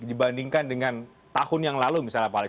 dibandingkan dengan tahun yang lalu misalnya pak alex